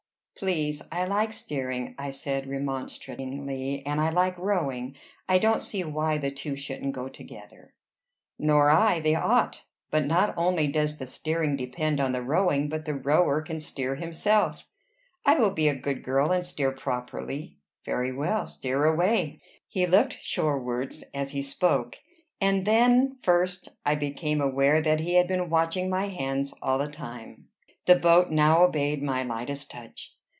"Please, I like steering," I said remonstratingly. "And I like rowing." "I don't see why the two shouldn't go together." "Nor I. They ought. But not only does the steering depend on the rowing, but the rower can steer himself." "I will be a good girl, and steer properly." "Very well; steer away." He looked shorewards as he spoke; and then first I became aware that he had been watching my hands all the time. The boat now obeyed my lightest touch.